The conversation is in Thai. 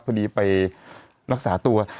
พอดีไปรักษาตัว